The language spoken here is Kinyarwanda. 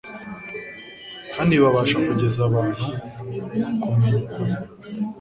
kandi babasha kugeza abantu ku kumenya ukuri.